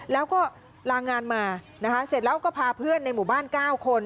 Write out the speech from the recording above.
แล้วก็ลางานมานะคะเสร็จแล้วก็พาเพื่อนในหมู่บ้าน๙คน